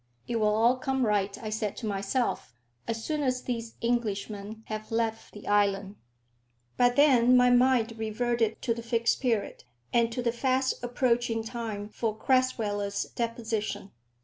"It will all come right," I said to myself, "as soon as these Englishmen have left the island." But then my mind reverted to the Fixed Period, and to the fast approaching time for Crasweller's deposition.